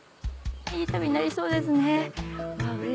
いい旅になりそうですねうわ